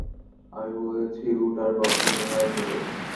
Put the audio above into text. আমি বলেছি রুট আর গবলিন, ওরা সেটাই।